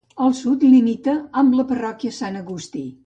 Al sud limita amb la Parròquia San Agustí.